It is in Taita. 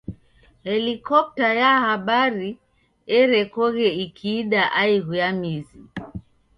Helikopta ya habari erekoghe ikiida aighu ya mizi,.